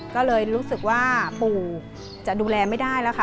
ก็เลยรู้สึกว่าปู่จะดูแลไม่ได้แล้วค่ะ